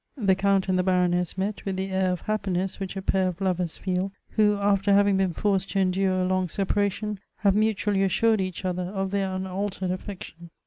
The Count and the Baroness met with the air of happiness which a pair of lovers feel, who, after having been forced to endure a long separation, have mutually assured each other of their unaltered affection.